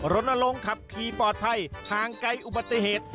ลงขับขี่ปลอดภัยห่างไกลอุบัติเหตุ